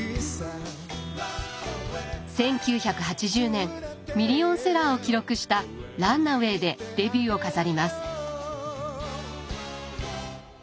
１９８０年ミリオンセラーを記録した「ランナウェイ」でデビューを飾ります。